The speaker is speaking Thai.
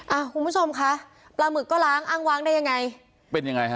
คุณผู้ชมคะปลาหมึกก็ล้างอ้างวางได้ยังไงเป็นยังไงฮะ